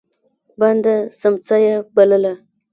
بنده سمڅه يې بلله.